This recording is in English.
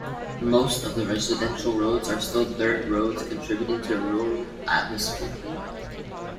Most of the residential roads are still dirt roads, contributing to a rural atmosphere.